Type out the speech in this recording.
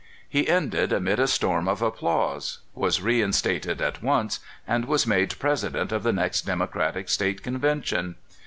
He ended amid a storm of applause, was reinstated at once, and was made President of the next Democratic State Convention.